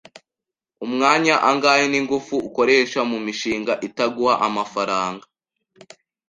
Umwanya angahe ningufu ukoresha mumishinga itaguha amafaranga?